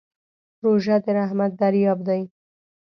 روژه د رحمت دریاب دی.